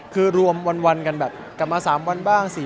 คือรวมวันกันแบบกลับมา๓วันบ้าง